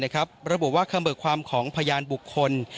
ระบุว่าคำเบิกความของพยานบุคคล